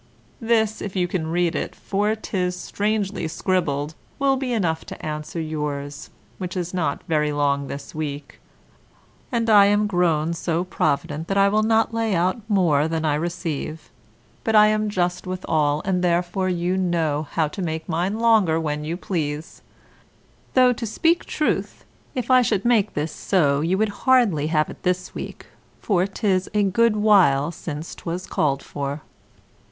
This if you can read it, for 'tis strangely scribbled, will be enough to answer yours, which is not very long this week; and I am grown so provident that I will not lay out more than I receive, but I am just withal, and therefore you know how to make mine longer when you please; though, to speak truth, if I should make this so, you would hardly have it this week, for 'tis a good while since 'twas call'd for.